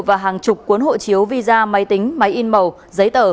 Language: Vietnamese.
và hàng chục cuốn hộ chiếu visa máy tính máy in màu giấy tờ